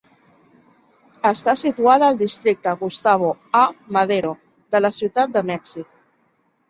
Està situada al districte Gustavo A. Madero de la ciutat de Mèxic.